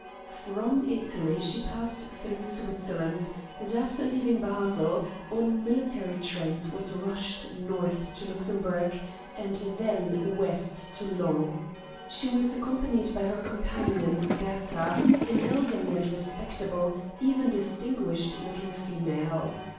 From Italy she passed through Switzerland, and, after leaving Basle, on military trains was rushed north to Luxemburg, and then west to Laon. She was accompanied by her companion, Bertha, an elderly and respectable, even distinguished looking female.